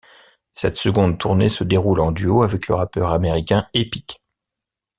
Cette seconde tournée se déroule en duo avec le rappeur américain Eppic.